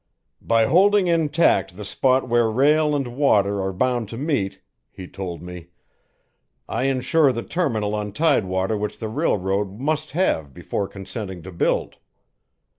'By holding intact the spot where rail and water are bound to meet,' he told me, 'I insure the terminal on tidewater which the railroad must have before consenting to build.